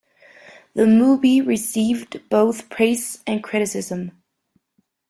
The movie received both praise and criticism.